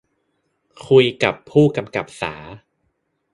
คุยกับผู้กำกับสา